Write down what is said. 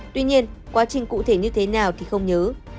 tuy nhiên quá trình cụ thể như thế nào thì không nhớ